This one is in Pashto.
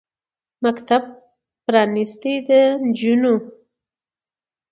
مکتب پرانیستی د جینکیو